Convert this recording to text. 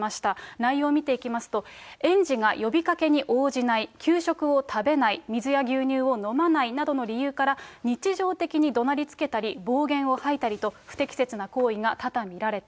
内容を見ていきますと、園児が呼びかけに応じない、給食を食べない、水や牛乳を飲まないなどの理由から、日常的にどなりつけたり、暴言を吐いたりと、不適切な行為が多々見られた。